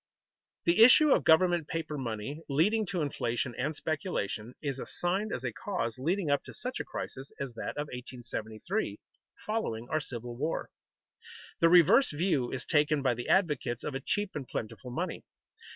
The issue of government paper money, leading to inflation and speculation, is assigned as a cause leading up to such a crisis as that of 1873, following our Civil War. The reverse view is taken by the advocates of a cheap and plentiful money.